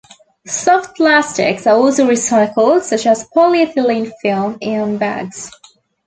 Soft Plastics are also recycled such as polyethylene film and bags.